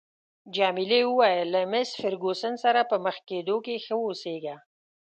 جميلې وويل: له مېس فرګوسن سره په مخ کېدو کې ښه اوسیږه.